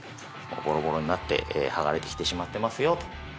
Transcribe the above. ボロボロになって剥がれてきてしまっていますよと。